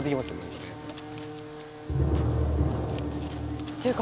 これっていうか